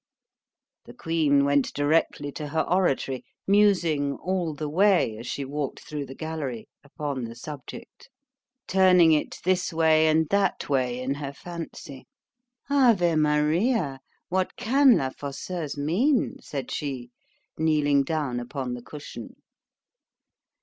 _ The queen went directly to her oratory, musing all the way, as she walked through the gallery, upon the subject; turning it this way and that way in her fancy—Ave Maria!——what can La Fosseuse mean? said she, kneeling down upon the cushion.